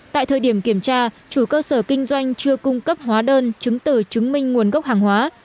tại thời điểm kiểm tra chủ cơ sở kinh doanh chưa cung cấp hóa đơn chứng từ chứng minh nguồn gốc hàng hóa